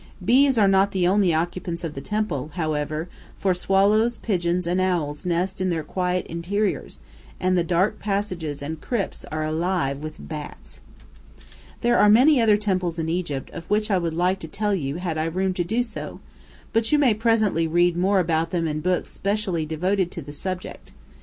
Bees are not the only occupants of the temple, however, for swallows, pigeons, and owls nest in their quiet interiors, and the dark passages and crypts are alive with bats. [Footnote 8: A small bird about the size of a sparrow.] There are many other temples in Egypt of which I would like to tell you had I room to do so, but you may presently read more about them in books specially devoted to this subject.